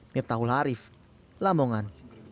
miptaul harif lamongan